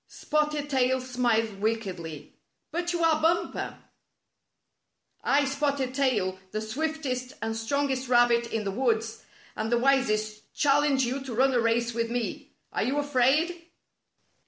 Spotted Tail smiled wickedly. " But you are. Bumper. I, Spotted Tail, the swiftest and strongest rabbit in the woods, and the wisest, challenge you to run a race with me. Are you afraid?"